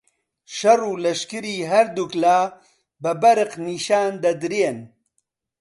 شەڕ و لەشکری هەردووک لا بە بەرق نیشان دەدرێن